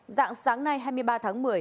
dạng sáng nay hai mươi ba tháng một mươi